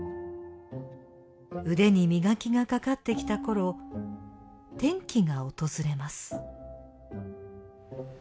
腕に磨きがかかってきたころ転機が訪れます。